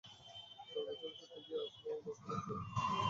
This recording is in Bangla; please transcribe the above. চার বছরের ছোট্ট প্রিয়া আসমাও বসে নেই, সেও মাদুরে হাত লাগাচ্ছে।